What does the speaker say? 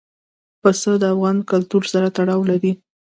پسه د افغان کلتور سره تړاو لري.